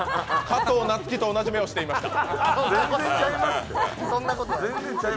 加藤夏希と同じ目をしていました。